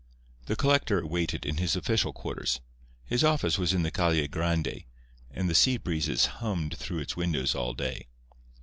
The collector waited in his official quarters. His office was in the Calle Grande, and the sea breezes hummed through its windows all day.